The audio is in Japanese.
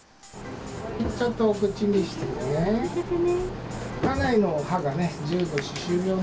ちょっとお口見せてね。